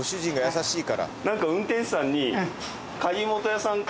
なんか運転手さんに。